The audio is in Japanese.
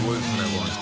この人。